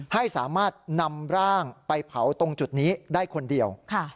ให้สามารถนำร่างไปเผาตรงจุดนี้ได้คนเดียว